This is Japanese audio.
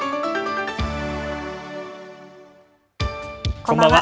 こんばんは。